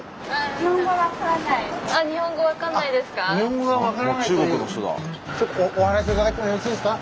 日本語分かんないですか？